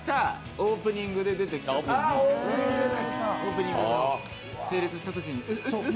オープニングで整列したときに。